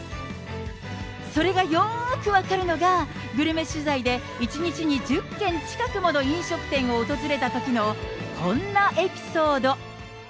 それがよーく分かるのが、グルメ取材で１日に１０件近くもの飲食店を訪れたときの、こんなエピソード。